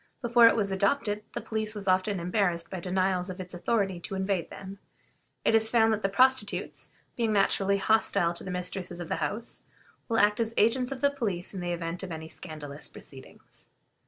Before it was adopted the police was often embarrassed by denials of its authority to invade them. It is found that the prostitutes, being naturally hostile to the mistresses of the houses, will act as agents of the police in the event of any scandalous proceedings.